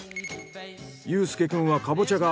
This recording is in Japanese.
悠介くんはカボチャが。